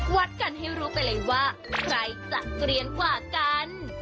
วัดกันให้รู้ไปเลยว่าใครจะเกลียนกว่ากัน